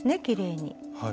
きれいに。